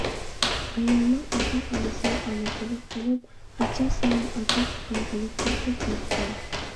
ئايالنىڭ ئاتا-ئانىسى ئامېرىكىلىق بولۇپ، ئاچا-سىڭىل، ئاكا-ئۇكا بولۇپ توققۇز بالىكەن.